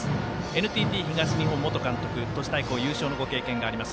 ＮＴＴ東日本元監督都市対抗優勝の経験があります